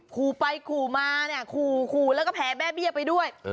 ขู่ไปขู่มาเนี่ยขู่ขู่แล้วก็แพ้แม่เบี้ยไปด้วย